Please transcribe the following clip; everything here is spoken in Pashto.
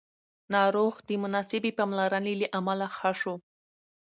ناروغ د مناسبې پاملرنې له امله ښه شو